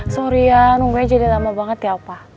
sorry ya nunggu aja udah lama banget ya opa